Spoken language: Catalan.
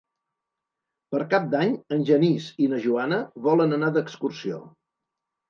Per Cap d'Any en Genís i na Joana volen anar d'excursió.